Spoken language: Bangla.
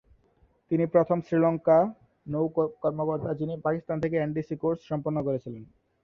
তিনি প্রথম শ্রীলঙ্কা নৌ কর্মকর্তা যিনি পাকিস্তান থেকে এনডিসি কোর্স সম্পন্ন করেছিলেন।